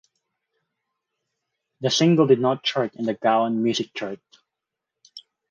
The single did not chart in the Gaon Music Chart.